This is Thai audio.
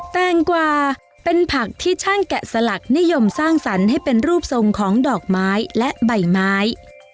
แตงกวาเป็นผักที่ช่างแกะสลักนิยมสร้างสรรค์ให้เป็นรูปทรงของดอกไม้และใบไม้